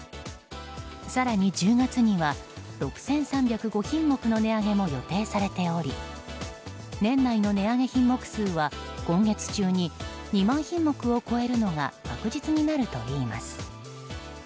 更に、１０月には６３０５品目の値上げも予定されており年内の値上げ品目数は今月中に２万品目を超えるのが確実になるといいます。